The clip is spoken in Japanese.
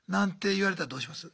言われたらどうします？